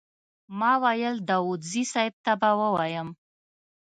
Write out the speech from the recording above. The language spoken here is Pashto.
ما ویل داوودزي صیب ته به ووایم.